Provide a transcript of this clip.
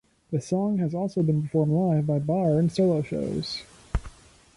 The song has also been performed live by Barre in solo shows.